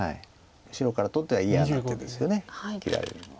白からとっては嫌な手ですよね切られるのは。